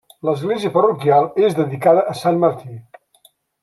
L’església parroquial és dedicada a sant Martí.